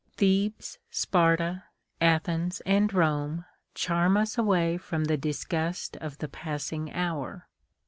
Thebes, Sparta, Athens, and Rome charm us away from the disgust of the passing hour.